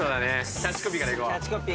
キャッチコピーからいこう。